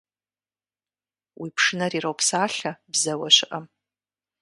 Уи пшынэр иропсалъэ бзэуэ щыӀэм.